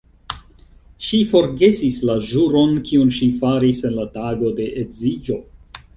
Ŝi forgesis la ĵuron, kiun ŝi faris en la tago de edziĝo!